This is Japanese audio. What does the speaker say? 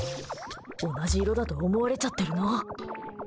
同じ色だと思われちゃってるの？